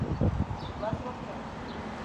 بس وخوره.